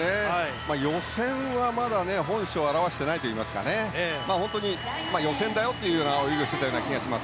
予選はまだ本性を現していないといいますか本当に予選だよという泳ぎをしていたと思います。